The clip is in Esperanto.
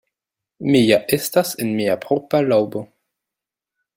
Mi ja estas en mia propra laŭbo.